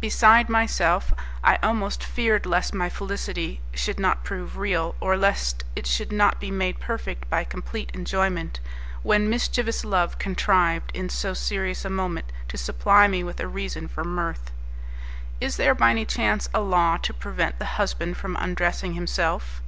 Beside myself, I almost feared lest my felicity should not prove real, or lest it should not be made perfect by complete enjoyment, when mischievous love contrived, in so serious a moment, to supply me with a reason for mirth. "Is there by any chance a law to prevent the husband from undressing himself?"